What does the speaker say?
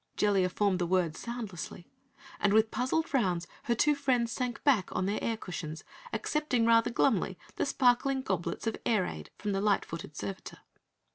Jellia formed the word soundlessly, and with puzzled frowns her two friends sank back on their air cushions, accepting rather glumly the sparkling goblets of air ade from the light footed servitor.